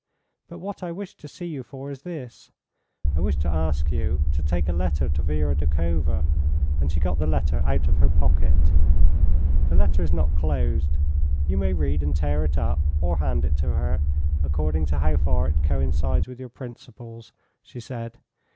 But what I wished to see you for is this: I wished to ask you to take a letter to Vera Doukhova," and she got the letter out of her pocket. "The letter is not closed; you may read and tear it up, or hand it to her, according to how far it coincides with your principles," she said.